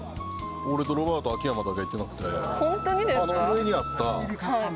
俺とロバート秋山だけ行ってなくてホントにですか？